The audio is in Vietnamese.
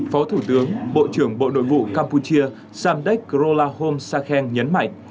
phó thủ tướng bộ trưởng bộ nội vụ campuchia samdech grolahom sakhan nhấn mạnh